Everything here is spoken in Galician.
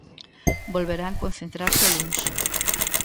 Volverán concentrarse o luns.